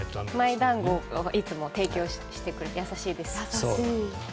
マイ団子をいつも提供してくれて優しいです。